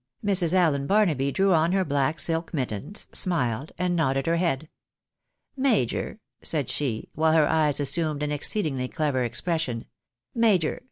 Mrs. Allen Barnaby drew on her black silk mittens, smiled, and nodded her head. " Major," said she, while her eyes assumed an exceedingly clever expression, " major